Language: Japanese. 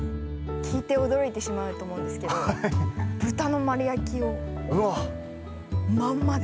聞いて驚くと思うんですけど豚の丸焼きをまんまで。